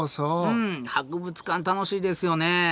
うん博物館楽しいですよね。